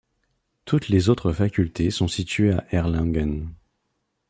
Toutes les autres facultés sont situées à Erlangen.